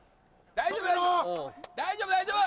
・大丈夫大丈夫。